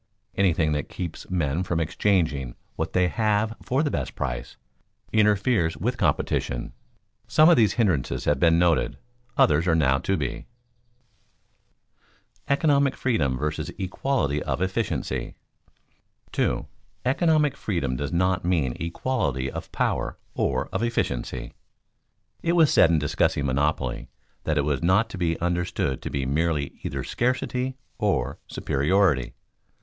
Anything that keeps men from exchanging what they have for the best price, interferes with competition. Some of these hindrances have been noted, others are now to be. [Sidenote: Economic freedom vs. equality of efficiency] 2. Economic freedom does not mean equality of power or of efficiency. It was said in discussing monopoly that it was not to be understood to be merely either scarcity or superiority.